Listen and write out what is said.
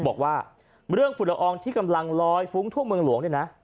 บอกว่าเรื่องฝุ่นละอองที่กำลังลอยฟุ้งทั่วเมืองหลวงเนี่ยนะ